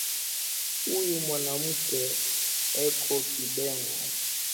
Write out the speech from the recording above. Uyu mwanamuke eko kibengo